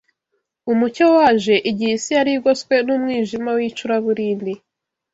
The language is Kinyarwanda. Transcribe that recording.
Umucyo waje igihe isi yari igoswe n’umwijima w’icuraburindi